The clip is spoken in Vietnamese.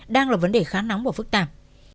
đang là vấn đề khá nóng và phức tạp